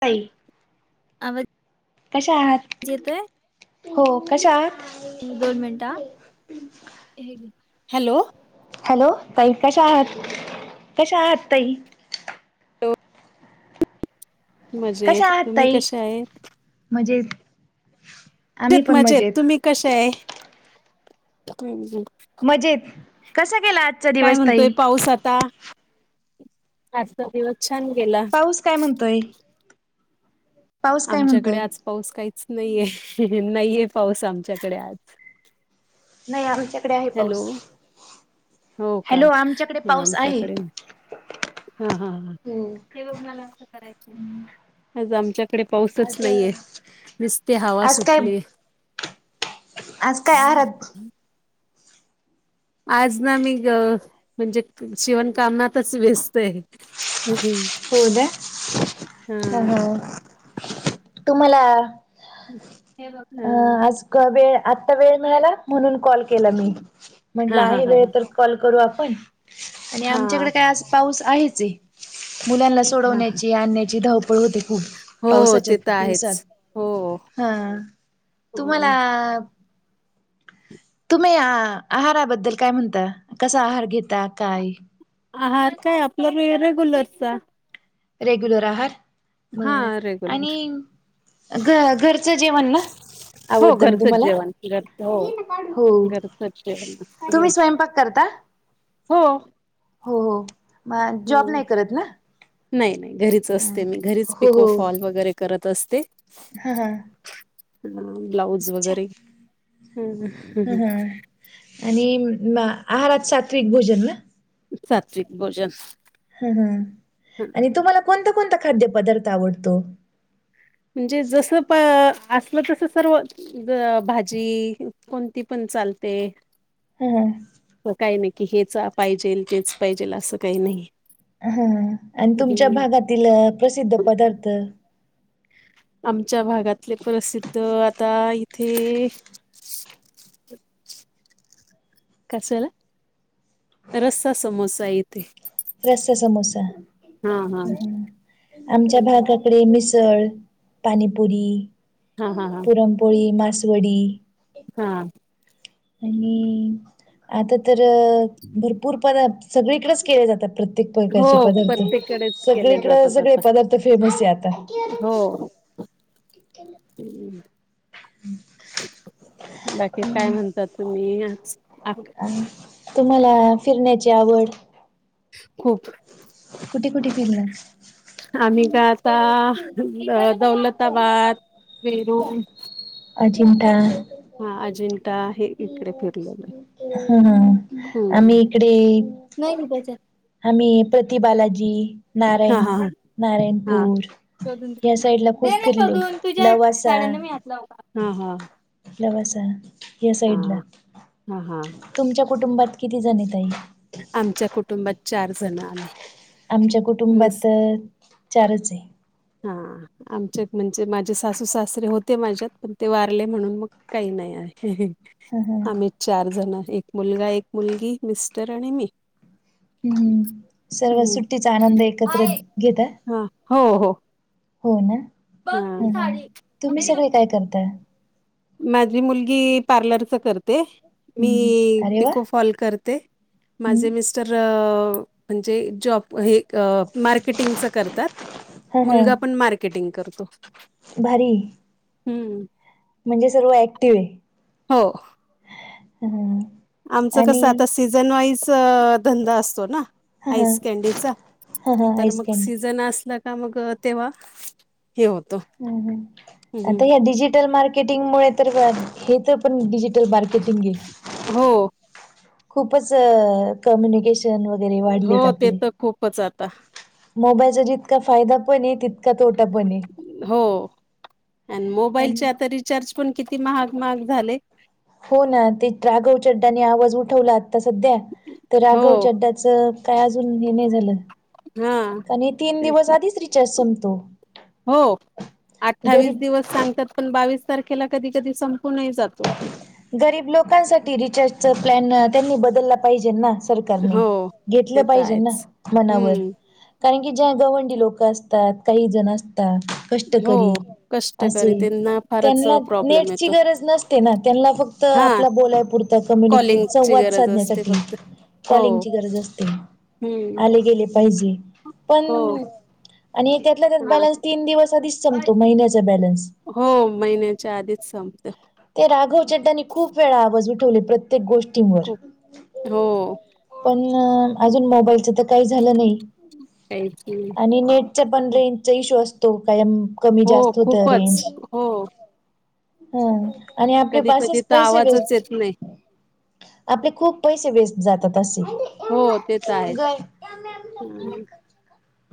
ताई. आवर. कशा आहा? हो, कशा? दोन मिनटं आ... हॅलो हॅलो... ताई, कशा आहात? कशा आहात ताई? मजेत... कशा आहात तुम्ही ताई कशा हेत? मजेत. आम्ही मजेत पण मजेत... तुम्ही कशा हे? मजेत. कसा गेला आज काय म्हणतोय पाऊस आता? आजचा दिवस छान गेला. पाऊस काय म्हणतोय पाऊस काय आमच्याकडे म्हणतोय आज पाऊस काहीच नईए... नईए पाऊस आमच्याकडे आज. नई... आमच्याकडे आहे हॅलो पाऊस. हो का? नै आहे आमच्याकडे नई. हाहाहा... हे बघ मला असं करायचं आज आमच्याकडे पाऊसच नाईये... निसती हवा आज काय सुटलीए. आज काय आहारात? आज ना, मी गं... म्हणजे शिवणकामनातच व्यस्त ए. हो नं... हं हं, तुम्हाला? हम्म. अं... आज... क... वेळ... आता वेळ मिळाला, म्हणून कॉल केला मी. हा म्हंटलं हा आहे हा वेळ तर कॉल करू आपण... आणि हा आमच्याकडे काय... आज पाऊस आहेच ए. मुलांना हा हा सोडवण्याची, आणण्याची, धावपळ होते खूप... हो पावसाच्या ते तर आहेच दिवसात. हो हा. तुम्हाला? अं, तुम्ही... आ... आहाराबद्दल काय म्हणता? कसा आहार घेता... काय? आहार काय आपला... मी रेग्युलरचा रेग्युलर आहार... हा बरं आणि रेग्युलर घ... घरचं जेवण ना? हो... आवडतं ना घरचंच तुम्हाला जेवण, घरचंच हो. हो... घरचंच जेवण तुम्ही असत स्वयंपाक करता? हो. हो हो... मग जॉब नाही करत ना? नाई नाई... घरीच असते मी, घरीच हो पिको हो फॉल वगैरे, करत असते. हा हा. अं... ब्लाऊज अच्छा वगैरे... हू, हं ह हं. हा आणि... मग... आहारात सात्विक भोजन ना? सात्विक भोजन. हम्म, हं. ह आणि तुम्हाला कोणता-कोणता खाद्यपदार्थ आवडतो? म्हणजे जस प असलं तस सर्व अ भाजी कोणती पण चालते. हम्म. काही नाही, की हेच पाहिजेल, तेच पाहिजेल, असं काही नाही. हा ह आणि तुमच्या हम्म भागातील प्रसिद्ध पदार्थ. आमच्या भागातले प्रसिद्ध आता इथे कसला, रसा समोसा आहे इथे. रसा, समोसा, हा हा आमच्या हम्म. भागात कडे मिसळ, पानीपुरी, हा हा हा पुरणपोळी, मासवडी. हा. आणि आता तर भरपूर पदार्थ सगळीकडेच केले जातात प्रत्येक प्रत्येक प्रकारचे हो पदार्थ, प्रत्येककडेच केले सगळीकड जातात सगळे आता पदार्थ फेमस आहे आता. हो. हो. [inaudible] हम्म, बाकी काय म्हणतात तूम्ही? मी आज आक तुम्हाला फिरण्याची आवड? खूप. किती पिरला. आम्ही काय आता, दौलताबाद, वेरूळ अजिंटा हा अजिंठा हे इकडे फिरलेलं आहे. हा-हा हम्म. आम्ही इकडे नाही ना भाज्या. आम्ही प्रति बालाजी, हा नारायणी हा हा हा. नारायणपूर शोधून या साईड ला दे खूप ना फिरले, लवासा. हा-हा लवासा, या साईड ला. हा-हा तुमच्या कुटुंबात किती जण आहे ताई? आमच्या कुटुंबात चार जण आम्ही. आमच्या मिस कुटुंबात चारच आहे. हा, आमचे म्हणजे माझे सासू, सासरे होते माझ्यात पण ते वारले म्हणून मग काही नाही आहे. ह ह आम्ही चार जण एक मुलगा, एक मुलगी, मिस्टर आणि मी. हम्म, सर्व हम्म. सुट्टीचा आनंद एकत्र हाय घेताय. हा, हो-हो. हो ना, हम्म-हम्म, साडी मला तुम्ही ही नको. सगळे काय करता? माझी मुलगी पार्लरचा करते मी हम्म अरे वा पिको फॉल करते, हम्म माझे मिस तर म्हणजे जॉब हे मार्केटिंगच करतात. ह मुलगा पण ह मार्केटिंग करतो. भारी. हम्म. म्हणजे सर्व ऍक्टिव आहे. हो. हम्. आमचं कसं आता सीझन वाईज धंदा असतो ना. ह ह आईस कॅडीचा ह ह तर आईस मग कँडी सीझन असला का मग तेव्हा हे होतं. हम् ह आता हम्म. या डिजिटल मार्के मार्केटिंग मुळे तर हे तर पण डिजिटल मार्केटिंग घे. हो. खूपच कम्युनिकेशन वगैरे वाढलेत हो ते आपले. तर खूपच आता मोबाईलचा जितका फायदा पण आहे तितका तोटा पण आहे. हो आणि मोबाईलचे आणि आता रिचार्ज पण किती महाग महाग झाले. हो ना ते राघव चड्डानी आवाज उठवला आता सध्या तर हो राघव चड्डाच काय अजून नि नाहीय हा झालं आणि तीन तेच दिवस की आधीच रिचार्ज संपतो. हो अठ्ठावीस गरीब दिवस सांगतात पण बावीस तारखेला कधी कधी संपूनही जातो. गरीब लोकांसाठी रिचार्जचा प्लॅन त्यांनी बदलला पाहिजे ना. सरकारने हो घेतलं ते तर पाहिजे ना आहेच मनावर. हम्म कारण की ज्या गवंडी लोक असतात काही जण असतात हो कष्टकरी असे कष्टकरी त्यांना फारच त्यांना प्रॉब्लेम नेटची येतो गरज नसते ना. त्यांना फक्त हा आपला बोलाय पुुरत कम्युनिके कॉलिंगची संवाद गरज असते साधण्यासाठी. फक्त हो कॉलिंगची गरज असते. हम्म आले गेले पाहिजे पण हो आणि त्यातला त्यात हा बॅलन्स तीन दिवस आधीच संपतो महिन्याचा बॅलन्स. हो महिन्याच्या आधीच संपते. ते राघव चडडानी खूप वेळा आवाज उठवले प्रत्येक गोष्टीवर खूप हो पण अजून मोबाईलच तर काही झालं नाही काहीच नाही आणि नेट च पण रेंजचा इश्यू असतो काय कमी हो जास्त होत रेंज. खूपच हो हम आणि आपली कधी कधी पासेच तर पैसे आवाजच वेस्ट येत नाही आपले खूप पैसे वेस्ट जातात असे. हम्.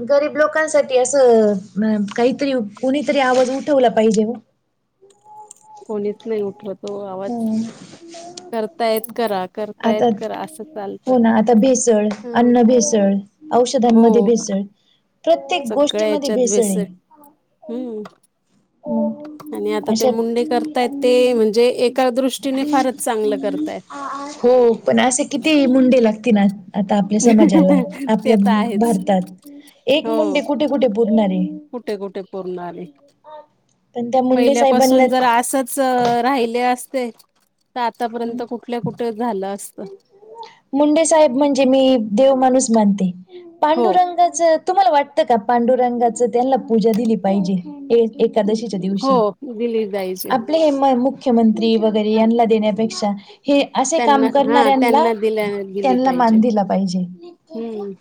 गरीब लोकांसाठी असं काहीतरी कोणीतरी आवाज उठवला पाहिजे ओ. कोणीच नाही उठवत. हम. करा आता करतायेत करा असं चालतं. हो ना आता भेसळ हम्म. अन्न भेसळ हो औषधांमध्ये भेसळ प्रत्येक सगळ्या गोष्टीमध्ये याच्यात भेसळ हे. हम्म. आणि आता ते अशा मुंडे करतायत ते म्हणजे एका दृष्टीने फारच चांगलं करतायत. [inaudible] हो पण असं किती मुंडे लागते ना आता आपल्या समाजाला आपल्या ते तर आहेच. भारतात एक हो मुंडे कुठे कुठे पुरणार आहे. कुठे कुठे पुरणार आहे. पण त्या मुंडे साहेबांना पहिल्यापासून जर असत च राहिले असते, तर आतापर्यंत कुठल्या कुठे झालं असतं. मुंडे साहेब म्हणजे मी देव माणूस मानते. हो. पांडुरंगाच तुम्हाला वाटतं का? पांडुरंगाच त्यांना पूजा दिली पाहिजे. एकादशीच्या दिवशी. हो दिली जायचे आप पले हे मुख्यमंत्री वगैरे यांना देण्यापेक्षा. हे असे त्यांना काम हा करणाऱ्यांना. त्यांना दिल्या दिली त्यांना पाहिजे. मान दिला पाहिजे. हम्म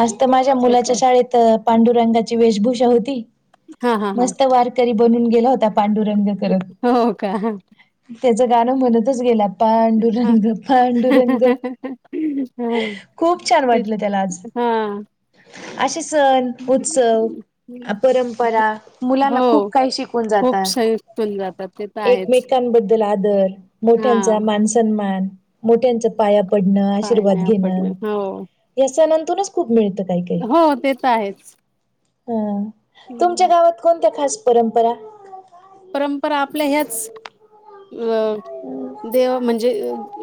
आज त माझ्या ते तर मुलाच्या आहे. शाळेत. पांडुरंगाची वेशभूषा होती. हा हा हा मस्त वारकरी बनून गेला होता. पांडुरंग करत. हो का. त्याचं गाणं म्हणतच गेला. पां हां. डुरंग. पांडुरंग. हां. खूप छान तेच वाटलं त्याला आज. हां. असेच सण, उत्सव, परंपरा, हो. मुलांना खूप काही शिक वून खूप जातात. सैल जातात ते तर आहेच. एकमेकांबद्ल आदर. मोठ्यांचा हां. मान सन्मान. मोठ्यांच पाया पडणं, पाय आशीर्वाद नाही घेणं. पडलं. हो. या सणातूनच खूप मिळतं. काही हो ते त आहेच. ह. तुमच्या हं. गावात कोणत्या खास परंपरा? परंपरा आपल्या ह्याच. अ देव म्हणजे,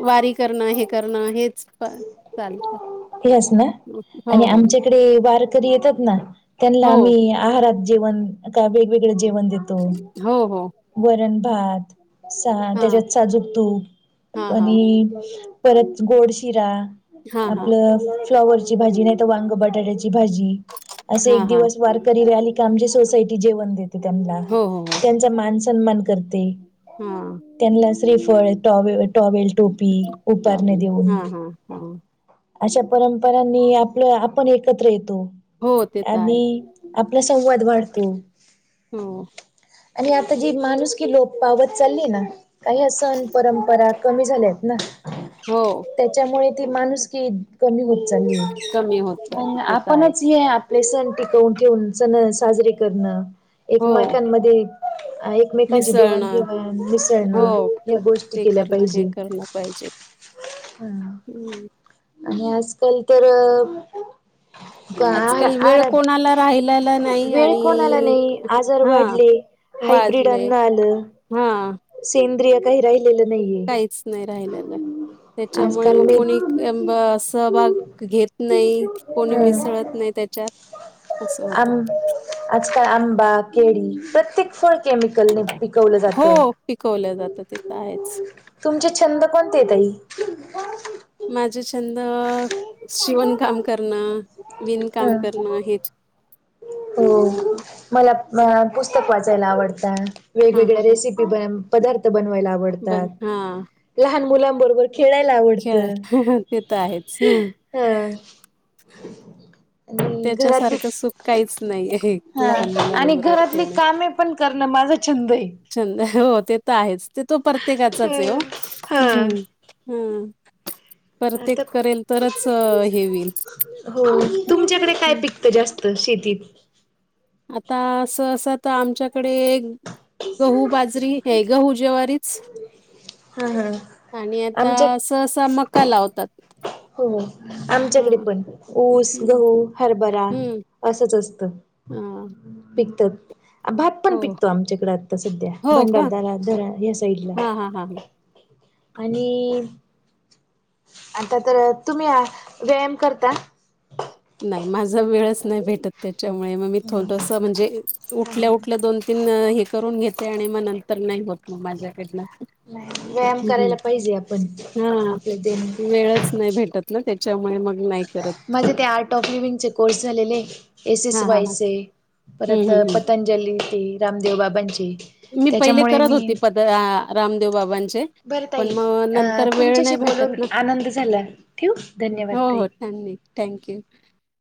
वारी करणं. हे करण हेच. [unintelligible] ह्यास ना. हो, आणि हो. आमच्याकडे वारकरी येतात ना, त्यांला हो. आम्ही आहारात जेवण, का वेगवेगळं जेवण देतो. हो, हो. वरण भात सार हां. याच्यात साजूक तूप. हां, हां. आणि परत गोड शिरा. हां, हां. आपलं फ्लॉवरची भाजी. नाही तर वांग बटाट्याची भाजी. असे एक हां, हां. दिवस वारकरीला आली की, आमची सोसायटीत जेवण देते त्यांनला. हो, हो, त्यांचा मान सन्मान करते. हा. त्यांनला श्रीफळ, टॉवे टॉवेल, टोपी, उपारणे देऊन. हा. अशा परंपरांनी आपलं आपण एकत्र येतो. हो ते तर आहे. आणि आपला संवाद वाढतो. हो. आणि आता जी माणूस की लोप पावत चालली ना काही या सण परंपरा कमी झाल्यात ना. हो. त्याच्यामुळे ती माणूसकी कमी होत चाललीय. कमी होतात मग ते तर आहे आपणच हे आपले सण टिकवून ठेवून सण साजरे करणं हो एकमेकांमध्ये आहे मेकांची मिसळणं देवाणघेवाण हो मिसळणं या गोष्टी ते केल्या करणं हे पाहिजे. करणं पाहिजे [inaudible] हम्म. आणि आजकाल तर आहार आजकाल आहार वेळ कोणाला राहिलेला नाही वेळ कोणाला आणि नाय आजार हा वाढले. हायब्रीड वाजले अन्न आलं. हा. सेंद्रिय काही राहिलेलं नाहीये. काहीच नाही राहिलेलं हम्. त्याच्यामुळे मग कोणी एंब सहभाग घेत नाही, कोणी मिसळत नाही त्या च्यात असं होत. आज काल आंबा, केळी प्रत्येक फळ केमिकल नि हो पिकवल्या जातं, तिथं आहेच. तुमचे छंद कोणतेे ताई? माझे छंद शिवण काम करणं, ह विणकाम करणं हेच. हो मला मला पुस्तक वाचायला आवडता हा वेगवेगळ्या रेसि [unintelligible] पदार्थ बनवायला आवड बंद, हा. लहान मुलांबरोबर खेळायला आवडत. ह.. ह. ते तर आहेच हा आणि घरातली. त्याच्यासारखं सुख काहीच नाही आहे हा लहान आणि मुलांबरोबर घरातली खेळणं कामे पण करणं माझा छंद आहे. छंद, हो ते तर आहेच. ते तो प्रत्येकाचाच ह आहे ओ. हा हम्म. हम्म परत ते आता करेल तरच अ हे होईल. हो. तुमच्याकडे काय हं. पिकतं जास्त शेतीत? आता सहसा तर आमच्यात कडे गहू बाजरी हे गहू ज्वारीच. हम् हम्. आणि आता सहसा मका लावतात. हो हा आमच्याकडे पण ऊस, हम्म गहू, हरभरा हम्म असंच असत हा पिकत. भात पण हो पिकतो आमच्याकडे आता सध्या, हो का भंडारदरा धरण या साईडला. हा हा हा. आणि आता तर तुम्ही व्यायाम करता? नाय माझा वेळच नाय भेटत त्याच्यामुळे मग मी थोडस म्हणजे उठल्या उठल्या दोन तीन हे करून घेते आणि मग नंतर नाही होत मग माझ्याकडन. नाही, व्यायाम करायला पाहिजे आपण, हा आपले देण वेळच नाही भेटत ना त्याच्यामुळे मग नाही करत. माझे ते आर्ट ऑफिविंग चे कोर्स झालेले एस एस हा हा वाय हा चे परत हम्म हम्म पतं जली ती रामदेव बाबांची. मी पहिले करत होती पद रामदेव बाबांचे. बरं ताई पण मग अ नंतर वेळ तुमच्याशी नाय भेटत बोलून ना. आनंद झाला ठेवू धन्यवाद हो ताई हो त्यांनी थँक्यू.